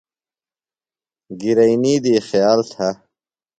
گِرئینی دی خیال تھہ۔